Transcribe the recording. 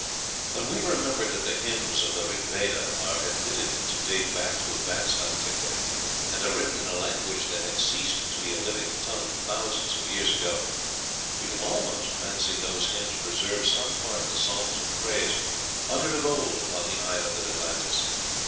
When we remember that the hymns of the "Rig Veda" are admitted to date back to a vast antiquity, and are written in a language that had ceased to be a living tongue thousands of years ago, we can almost fancy those hymns preserve some part of the songs of praise uttered of old upon the island of Atlantis.